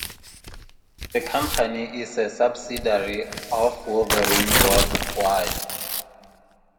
The company is a subsidiary of Wolverine World Wide.